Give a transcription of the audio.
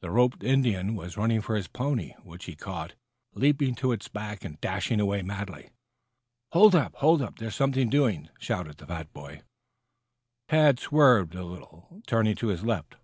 The roped Indian was running for his pony, which he caught, leaping to its back and dashing away madly. "Hold up! Hold up! There's something doing," shouted the fat, boy. Tad swerved a little, turning to his left.